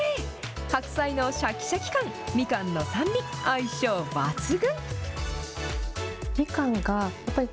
白菜のしゃきしゃき感、みかんの酸味、相性抜群。